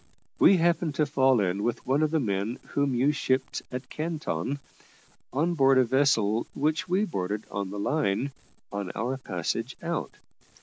We happened to fall in with one of the men whom you shipped at Canton, on board a vessel which we boarded on the line, on our passage out.